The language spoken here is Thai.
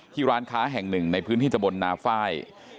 ร้านค้าแห่งหนึ่งในพื้นที่ตะบนนาฟ้าย